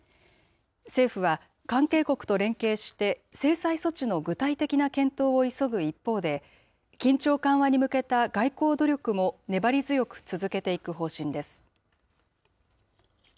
政府は関係国と連携して、制裁措置の具体的な検討を急ぐ一方で、緊張緩和に向けた外交努力も粘り強く続けていく方針です。